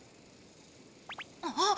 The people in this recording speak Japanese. あっ！